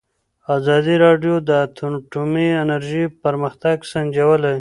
ازادي راډیو د اټومي انرژي پرمختګ سنجولی.